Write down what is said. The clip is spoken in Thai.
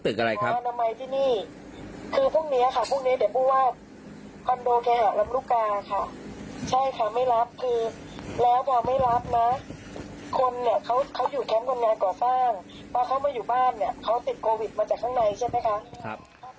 ไม่เคยได้รัสสา